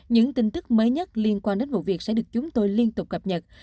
những tin tức mới nhất liên quan đến vụ việc sẽ được chúng tôi liên tục cập nhật